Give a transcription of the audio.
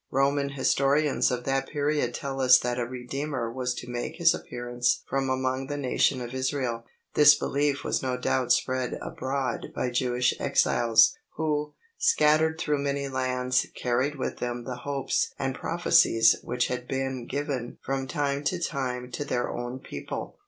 Roman historians of that period tell us that a redeemer was to make his appearance from among the nation of Israel. This belief was no doubt spread abroad by Jewish exiles, who, scattered through many lands, carried with them the hopes and prophecies which had been given from time to time to their own people.